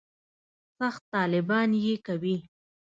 سخت طالبان یې کوي.